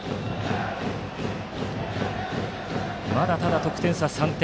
まだ、ただ得点差は３点。